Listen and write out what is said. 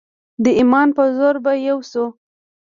د ایمان په زور به یو شو.